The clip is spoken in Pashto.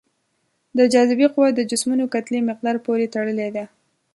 د جاذبې قوه د جسمونو کتلې مقدار پورې تړلې ده.